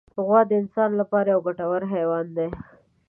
غوا د انسان له پاره یو ګټور حیوان دی.